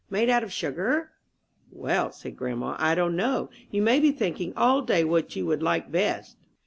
made out of sugar?" "Well," said grandma, "I don't know, You may be thinking all day what you would like best.